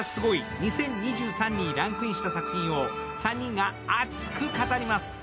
２０２３にランクインした作品を３人が熱く語ります。